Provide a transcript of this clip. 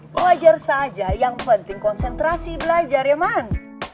wajar saja yang penting konsentrasi belajar ya man